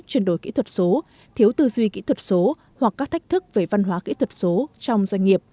các tư duy kỹ thuật số hoặc các thách thức về văn hóa kỹ thuật số trong doanh nghiệp